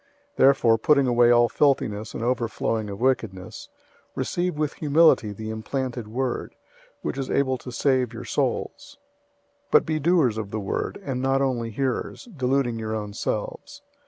001:021 Therefore, putting away all filthiness and overflowing of wickedness, receive with humility the implanted word, which is able to save your souls{or, preserve your life.}. 001:022 But be doers of the word, and not only hearers, deluding your own selves.